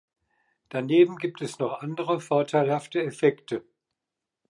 Daneben gibt es noch andere vorteilhafte Effekte.